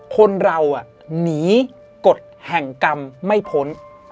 คนเราหนีกฎแห่งกรรมไม่พ้น